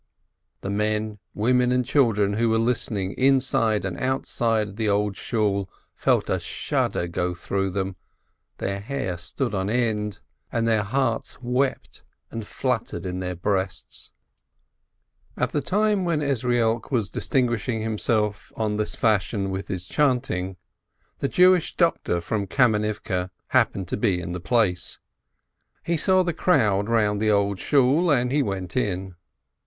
The men, women, and children who were listening inside and outside the Old Shool felt a shudder go through them, their hair stood on end, and their hearts wept and fluttered in their breasts. Ezrielk's voice wept and implored, "on account of our sins." At the time when Ezrielk was distinguishing himself on this fashion with his chanting, the Jewish doctor from Kamenivke happened to be in the place. He saw the crowd round the Old Shool, and he went in.